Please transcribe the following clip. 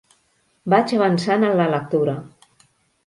Vaig avançant en la lectura.